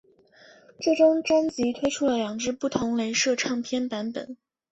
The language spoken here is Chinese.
这张专辑推出了两只不同雷射唱片版本。